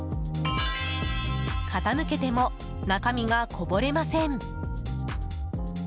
傾けても、中身がこぼれません。